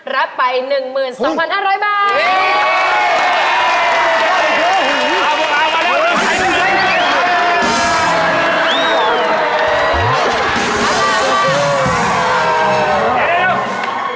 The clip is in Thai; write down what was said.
รับไป๑๒๕๐๐บาท